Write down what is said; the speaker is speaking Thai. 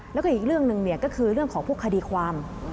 แล้วก็อีกเรื่องหนึ่งก็คือเรื่องของพวกคดีความ